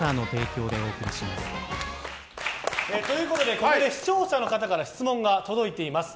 ここで視聴者の方から質問が届いています。